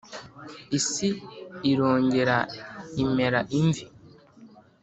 isi irongera imera imvi